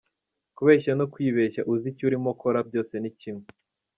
Kubeshya no kwibeshya uzi icyo urimo ukora byose ni kimwe.